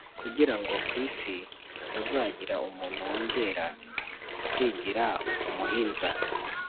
kugira ngo ku isi hatazagira umuntu wongera kwigira umuhinza